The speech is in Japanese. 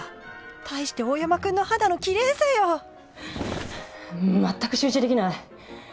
対して大山くんの肌の綺麗さよ。全く集中できない。